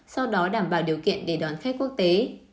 sau đó đảm bảo điều kiện để đón khách quốc tế